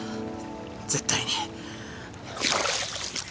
絶対に！